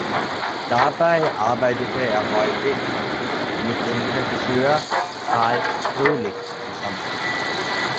Dabei arbeitete er häufig mit dem Regisseur Carl Froelich zusammen.